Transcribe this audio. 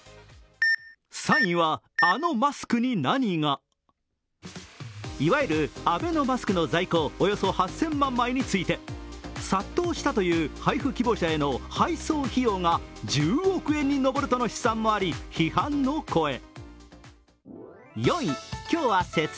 ３位は、あのマスクに何が。いわゆるアベノマスクの在庫およそ８０００万枚について、殺到したという配布希望者への配送費用が１０億円に上るとの試算もあり批判の声。